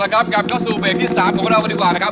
เอาละครับกลับเข้าสู่เบรกที่๓ของกระดาษวันดีกว่านะครับ